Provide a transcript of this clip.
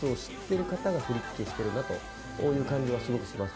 という感じはすごくしますね。